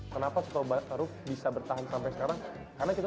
kenapa soto ma'ruf bisa bertahan sampai sekarang